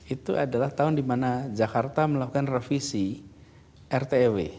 itu adalah tahun di mana jakarta melakukan revisi rtew